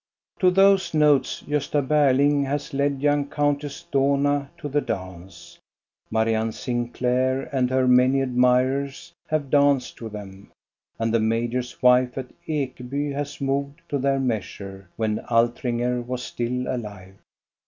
To those notes Gosta Berling has led young Countess Dohna to the dance. Marianne Sinclair and her many admirers have danced to them, and the major's wife at Ekeby has moved to their measure when Altringer was still alive.